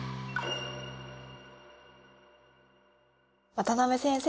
渡辺先生。